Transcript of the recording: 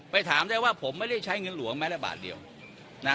ถามได้ว่าผมไม่ได้ใช้เงินหลวงแม้แต่บาทเดียวนะ